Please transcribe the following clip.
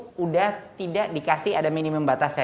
sudah tidak diberikan minimum batasnya